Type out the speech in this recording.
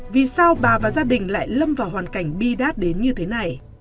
vì sao bà và gia đình lại lâm vào hoàn cảnh bi đát đến như thế này